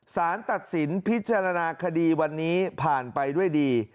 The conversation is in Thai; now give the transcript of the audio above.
สารตัดสินพิจารณาคดีวันนี้ผ่านไปด้วยดี